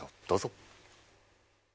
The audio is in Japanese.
どうぞ。